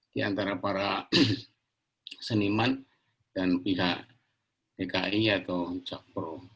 di antara para seniman dan pihak dki atau jakpro